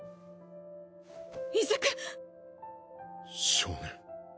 少年。